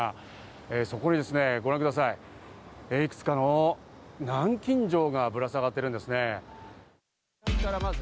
そこにいくつかの南京錠がぶら下がっているんです。